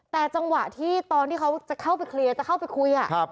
แต่จังหวะที่ตอนที่เขาจะเข้าไปเคลียร์จะเข้าไปคุย